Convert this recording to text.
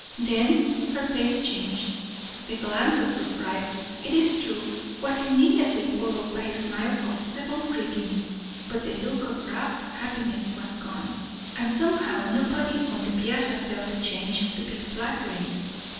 Then her face changed. The glance of surprise, it is true, was immediately followed by a smile of civil greeting; but the look of rapt happiness was gone; and somehow nobody on the piazza felt the change to be flattering.